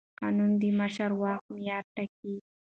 قانون د مشروع واک معیار ټاکي.